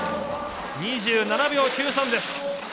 ２７秒９３です。